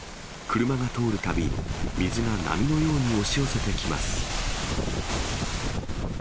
車が通るたび、水が波のように押し寄せてきます。